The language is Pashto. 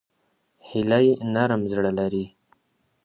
هیلۍ نرم زړه لري